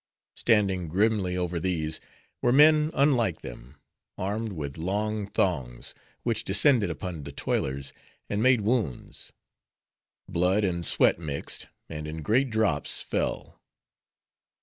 Standing grimly over these, were men unlike them; armed with long thongs, which descended upon the toilers, and made wounds. Blood and sweat mixed; and in great drops, fell.